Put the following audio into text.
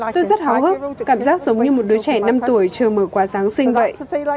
tôi rất hào hức cảm giác giống như một đứa trẻ năm tuổi chờ mở quà giáng sinh vậy